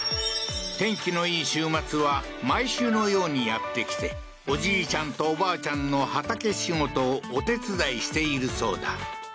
天気のいい週末は毎週のようにやってきて、おじいちゃんとおばあちゃんの畑仕事をお手伝いしているそうだ。